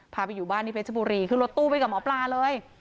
พาไปอยู่บ้านที่เพชรบุรีขึ้นรถตู้ไปกับหมอปลาเลย